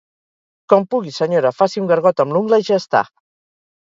Com pugui, senyora, faci un gargot amb l'ungla i ja està.